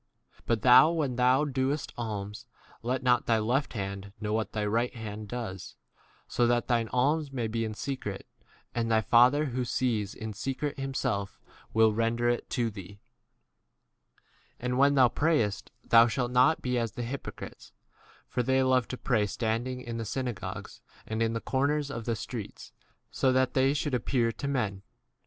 But thou, when thou doest alms, let not thy left hand know what thy right 4 hand does ; so that thine alms may be in secret, and thy Father who sees in secret himself will render [it] to thee. d 5 And when thou prayest, thou e shalt not be as the hypocrites ; for they love to pray standing in the synagogues and in the corners of the streets, so that they should appear to men.